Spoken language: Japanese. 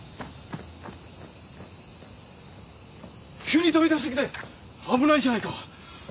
急に飛び出してきて危ないじゃないか。